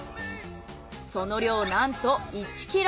その量なんと１ｋｇ。